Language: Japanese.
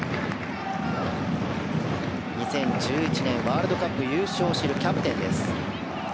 ２０１１年ワールドカップ優勝を知るキャプテンです。